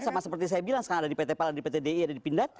sama seperti saya bilang sekarang ada di pt pala di pt di ada di pindad